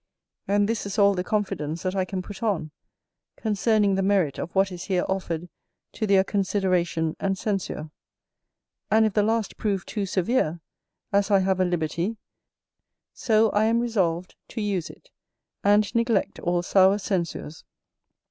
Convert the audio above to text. And this is all the confidence that I can put on, concerning the merit of what is here offered to their consideration and censure; and if the last prove too severe, as I have a liberty, so I am resolved to use it, and neglect all sour censures.